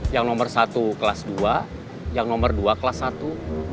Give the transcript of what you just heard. yang nomor satu kelas dua yang nomor dua kelas satu